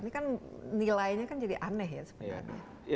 ini kan nilainya kan jadi aneh ya sebenarnya